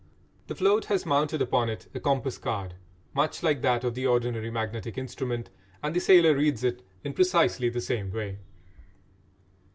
The float has mounted upon it a compass card much like that of the ordinary magnetic instrument, and the sailor reads it in precisely the same way.